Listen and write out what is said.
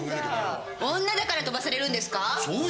女だから飛ばされるんですか！